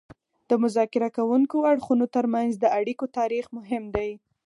د مذاکره کوونکو اړخونو ترمنځ د اړیکو تاریخ مهم دی